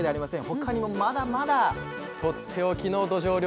他にもまだまだとっておきのどじょう